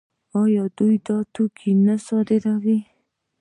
آیا دوی دا توکي نه صادروي؟